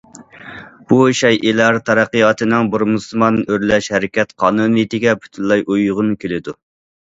بۇ شەيئىلەر تەرەققىياتىنىڭ بۇرمىسىمان ئۆرلەش ھەرىكەت قانۇنىيىتىگە پۈتۈنلەي ئۇيغۇن كېلىدۇ.